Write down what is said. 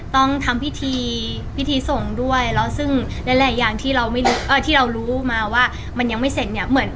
ต้องทำพิธีพิธีส่งด้วยแล้วซึ่งหลายอย่างที่เรารู้มาว่ามันยังไม่เสร็จเนี่ย